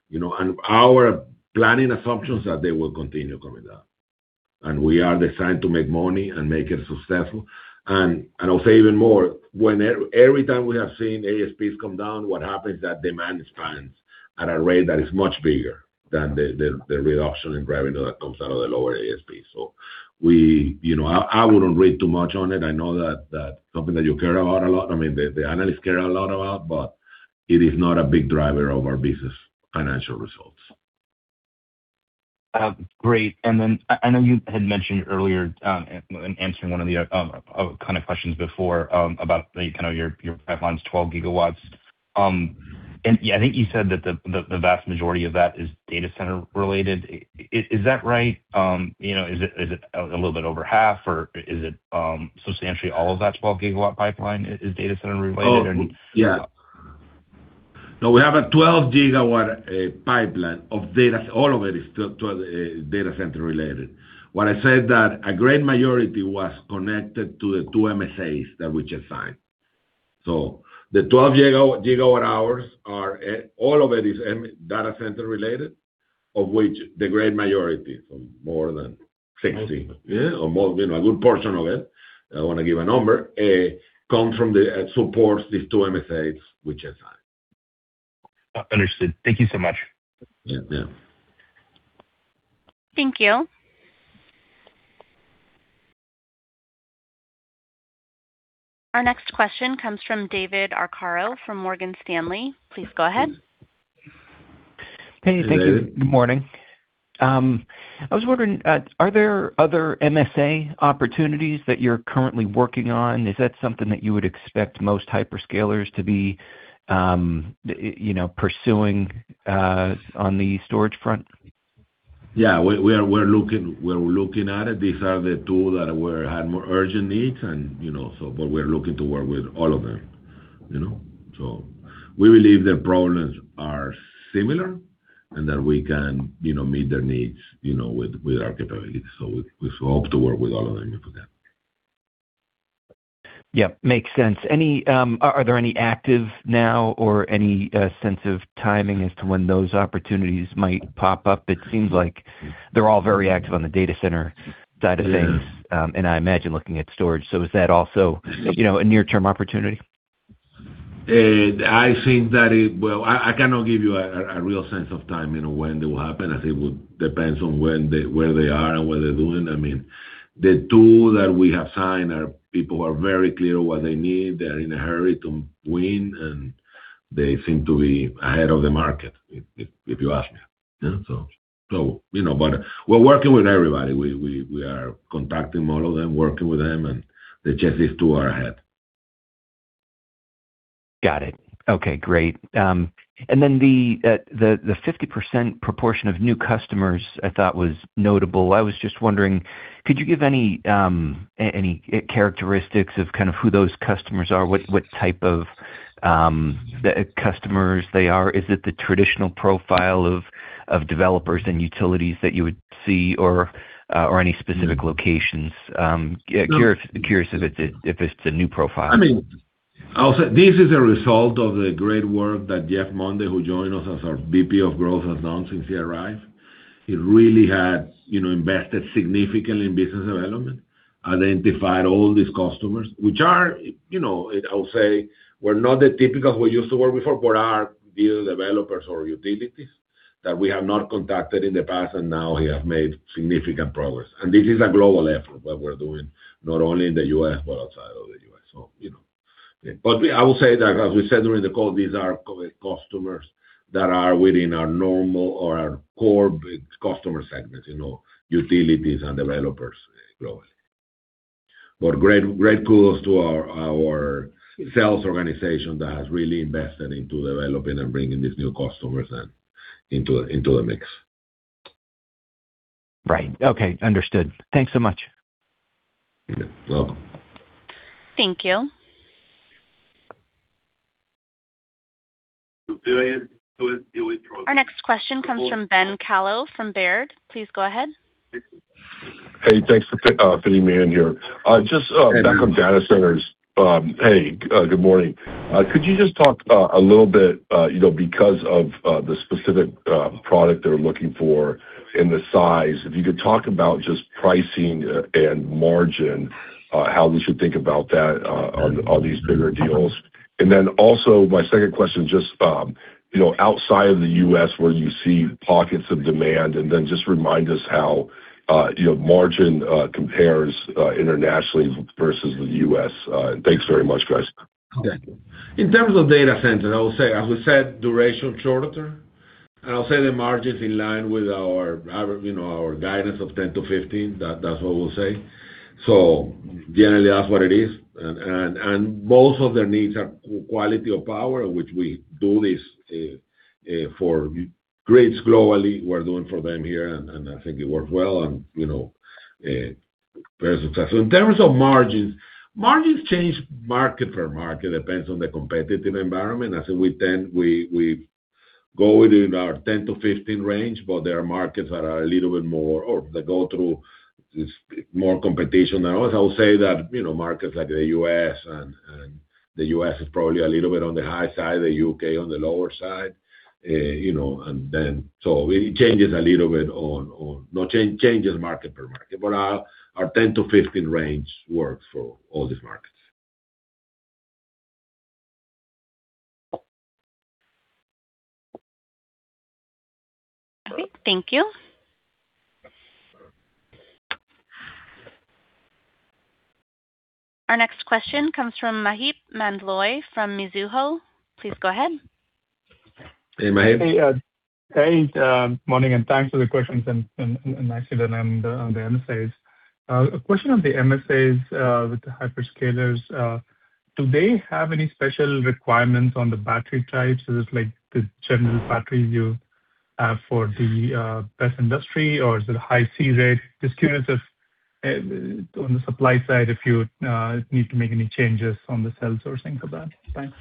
you know. Our planning assumption's that they will continue coming down. We are designed to make money and make it successful. I'll say even more, when every time we have seen ASPs come down, what happens that demand expands at a rate that is much bigger than the reduction in revenue that comes out of the lower ASP. We, you know, I wouldn't read too much on it. I know that that's something that you care about a lot. I mean, the analysts care a lot about, but it is not a big driver of our business financial results. Great. I know you had mentioned earlier, in answering one of the kind of questions before, about the kind of your pipeline's 12 GW. Yeah, I think you said that the vast majority of that is data center related. Is that right? You know, is it a little bit over half or is it substantially all of that 12 GW pipeline is data center related? We have a 12 GW pipeline of data. All of it is 12 data center related. I said that a great majority was connected to the two MSAs that we just signed. The 12 GWh are all of it is data center related, of which the great majority, so more than 60. Okay. Yeah, or more, you know, a good portion of it, I don't wanna give a number, comes from the, supports these two MSAs we just signed. Understood. Thank you so much. Yeah, yeah. Thank you. Our next question comes from David Arcaro from Morgan Stanley. Please go ahead. Hey. Thank you. Hello. Good morning. I was wondering, are there other MSA opportunities that you're currently working on? Is that something that you would expect most hyperscalers to be, you know, pursuing on the storage front? Yeah. We are looking at it. These are the two that had more urgent needs and, you know, so but we're looking to work with all of them, you know. We believe their problems are similar, and that we can, you know, meet their needs, you know, with our capabilities. We hope to work with all of them, yeah. Yeah, makes sense. Any, are there any active now or any sense of timing as to when those opportunities might pop up? It seems like they're all very active on the data center side of things. Yeah. I imagine looking at storage, so is that also, you know, a near-term opportunity? I think that I cannot give you a real sense of timing of when they will happen, as it would depends on where they are and what they're doing. I mean, the two that we have signed are people who are very clear what they need. They're in a hurry to win, and they seem to be ahead of the market if you ask me. Yeah, you know, but we're working with everybody. We are contacting all of them, working with them, and they just these two are ahead. Got it. Okay, great. The 50% proportion of new customers I thought was notable. I was just wondering, could you give any characteristics of kind of who those customers are, what type of the customers they are? Is it the traditional profile of developers and utilities that you would see or any specific locations? Curious, curious if it's a new profile. I mean, I'll say this is a result of the great work that Jeff Monday, who joined us as our VP of Growth, has done since he arrived. He really has, you know, invested significantly in business development, identified all these customers, which are, you know, I'll say, were not the typical we used to work before, but are new developers or utilities that we have not contacted in the past, and now he has made significant progress. This is a global effort that we're doing, not only in the U.S., but outside of the U.S. You know. We, I will say that, as we said during the call, these are customers that are within our normal or our core customer segments, you know, utilities and developers globally. Great kudos to our sales organization that has really invested into developing and bringing these new customers in, into the mix. Right. Okay. Understood. Thanks so much. Yeah. Welcome. Thank you. Do I. Our next question comes from Ben Kallo from Baird. Please go ahead. Hey, thanks. Ben Kallo here. Hey, Ben Kallo. back on data centers. Hey, good morning. Could you just talk a little bit, you know, because of the specific product they're looking for and the size, if you could talk about just pricing and margin, how we should think about that on these bigger deals. Also my second question, just, you know, outside of the U.S., where do you see pockets of demand? Just remind us how, you know, margin compares internationally versus the U.S. Thanks very much, guys. In terms of data centers, I will say, as we said, duration shorter. I'll say the margin's in line with our, you know, our guidance of 10%-15%. That's what we'll say. Generally, that's what it is. And most of their needs are quality of power, which we do this for grids globally. We're doing for them here, and I think it works well. You know, very successful. In terms of margins change market per market. Depends on the competitive environment. As we tend, we go within our 10%-15% range, but there are markets that are a little bit more or they go through this more competition than others. I would say that, you know, markets like the U.S. and the U.S. is probably a little bit on the high side, the U.K. on the lower side. You know, it changes market per market. But our 10-15 range works for all these markets. Okay. Thank you. Our next question comes from Maheep Mandloi from Mizuho. Please go ahead. Hey, Maheep. Hey, hey, morning and thanks for the questions and Maxeon and on the MSAs. A question on the MSAs with the hyperscalers. Do they have any special requirements on the battery types? Just like the general batteries you have for the BESS industry or is it a high C-rate? Just curious if on the supply side, if you need to make any changes on the cell sourcing for that. Thanks.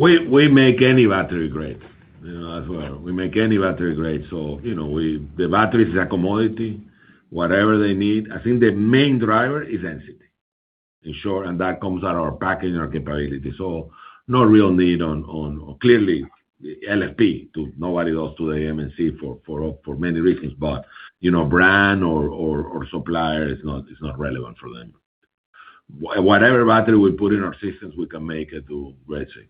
We make any battery grade, you know, as well. We make any battery grade, you know, the battery is a commodity, whatever they need. I think the main driver is density. In short, that comes out of our packaging, our capabilities. No real need on LFP. Clearly, nobody goes to the NMC for many reasons, you know, brand or supplier is not, it's not relevant for them. Whatever battery we put in our systems, we can make it to great things.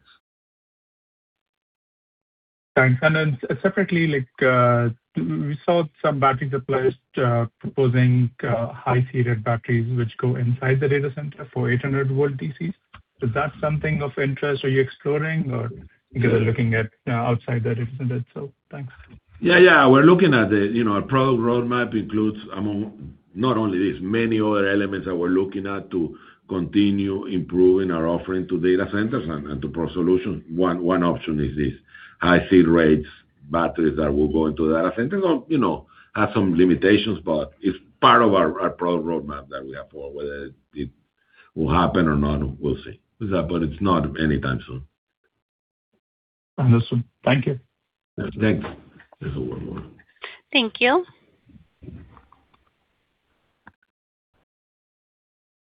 Thanks. Then separately, like, we saw some battery suppliers proposing high C-rate batteries which go inside the data center for 800 volt DC. Is that something of interest, are you exploring? Yeah you guys are looking at, outside the data center? Thanks. Yeah, yeah. We're looking at it. You know, our product roadmap includes among not only this, many other elements that we're looking at to continue improving our offering to data centers and to pro solutions. One option is this high C-rate batteries that will go into data centers. You know, have some limitations, but it's part of our product roadmap that we have for whether it will happen or not, we'll see. It's not anytime soon. Understood. Thank you. Thanks. This will work. Thank you.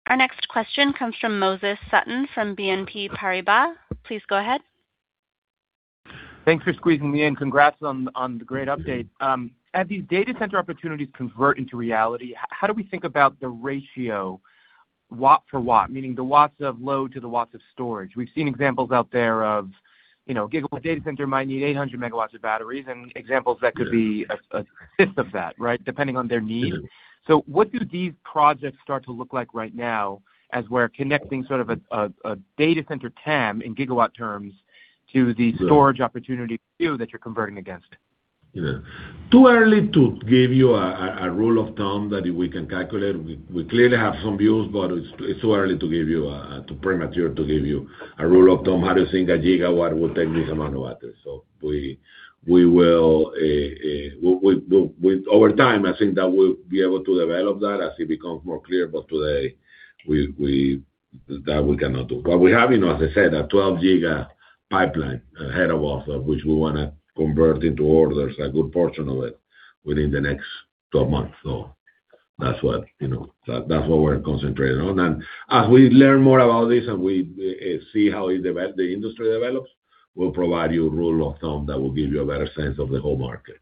Our next question comes from Moses Sutton from BNP Paribas. Please go ahead. Thanks for squeezing me in. Congrats on the great update. As these data center opportunities convert into reality, how do we think about the ratio watt for watt, meaning the watts of load to the watts of storage? We've seen examples out there of, you know, gigawatt data center might need 800 MW of batteries. Yeah A fifth of that, right? Depending on their need. Yeah. What do these projects start to look like right now as we're connecting sort of a data center TAM in gigawatt terms to the storage opportunity too, that you're converting against? Too early to give you a rule of thumb that we can calculate. We clearly have some views, but it's too early to give you a premature rule of thumb how to think a gigawatt will take this amount of battery. We will over time, I think that we'll be able to develop that as it becomes more clear. Today that we cannot do. What we have, you know, as I said, a 12 giga pipeline ahead of us of which we wanna convert into orders, a good portion of it within the next 12 months. That's what, you know, that's what we're concentrating on. As we learn more about this and we see how the industry develops, we'll provide you a rule of thumb that will give you a better sense of the whole market.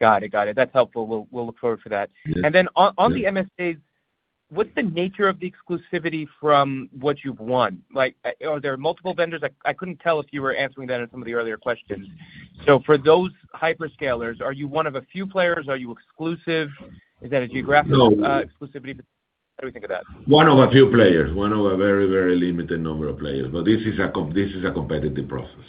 Got it. That's helpful. We'll look forward for that. Yeah. Then on the MSAs, what's the nature of the exclusivity from what you've won? Like, are there multiple vendors? I couldn't tell if you were answering that in some of the earlier questions. For those hyperscalers, are you one of a few players? Are you exclusive? Is that a geographic- No. exclusivity? How do we think of that? One of a few players. One of a very, very limited number of players. This is a competitive process.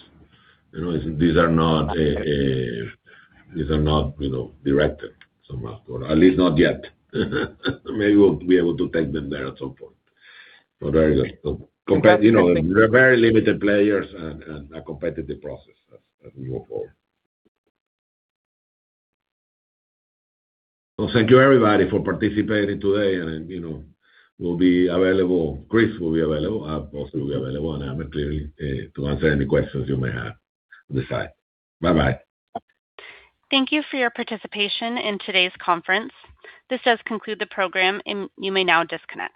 You know, these are not, these are not, you know, directed somehow, or at least not yet. Maybe we'll be able to take them there at some point. Very good. You know, very limited players and a competitive process as we move forward. Thank you, everybody, for participating today. You know, we'll be available, Chris will be available, I also will be available, and Ahmed Pasha clearly to answer any questions you may have on this side. Bye-bye. Thank you for your participation in today's conference. This does conclude the program, and you may now disconnect.